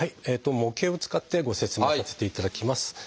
模型を使ってご説明させていただきます。